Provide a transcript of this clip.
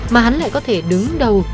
mà hắn lại có thể đứng đầu